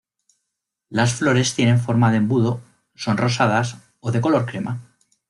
Las flores tienen forma de embudo, son rosadas o de color crema.